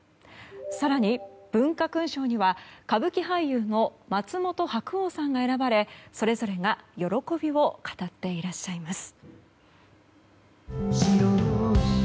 更に、文化勲章には歌舞伎俳優の松本白鸚さんが選ばれそれぞれが喜びを語っていらっしゃいます。